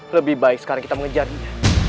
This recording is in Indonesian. lebih baik sekarang kita mengejar dia